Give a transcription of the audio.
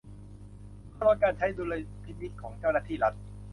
เพื่อลดการใช้ดุลยพินิจของเจ้าหน้าที่รัฐ